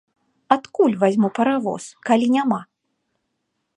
Адкуль вазьму паравоз, калі няма?